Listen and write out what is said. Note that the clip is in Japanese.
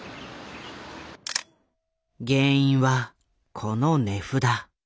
原因はこの値札。